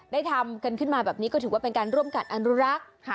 ได้ทำกันขึ้นมาแบบนี้ก็ถือว่าเป็นการร่วมกันอนุรักษ์